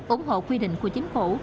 ủng hộ quy định của chính phủ